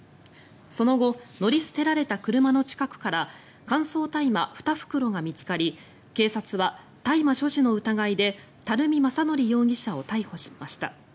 その後、乗り捨てられた車の近くから乾燥大麻２袋が見つかり警察は、大麻所持の疑いで樽見昌憲容疑者を逮捕しました。